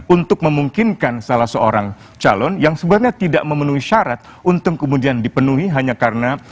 untuk memungkinkan salah seorang calon yang sebenarnya tidak memenuhi syarat untuk kemudian dipenuhi hanya karena